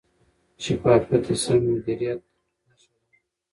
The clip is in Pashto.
شفافیت د سم مدیریت نښه ده.